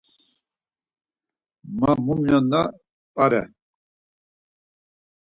Ma, mu na minon p̌are.